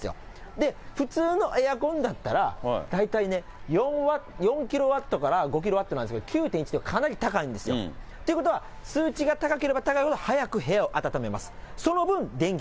で、普通のエアコンだったら、大体ね、４キロワットから５キロワットなんですが、９．１っていうのは、かなり高いんですよ。ということは、数値が高ければ高いほど早く部屋を暖めます。